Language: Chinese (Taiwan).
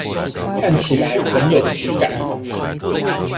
看起來很有質感